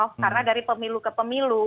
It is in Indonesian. karena dari pemilu ke pemilu